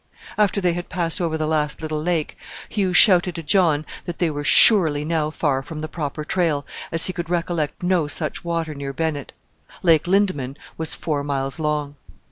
After they had passed over the last little lake Hugh shouted to John that they were surely now far from the proper trail, as he could recollect no such water near Bennett. Lake Lindeman was four miles long.